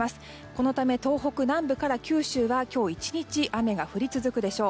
このため、東北南部から九州は今日１日雨が降り続くでしょう。